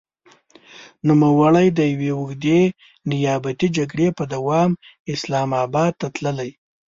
نوموړی د يوې اوږدې نيابتي جګړې په دوام اسلام اباد ته تللی.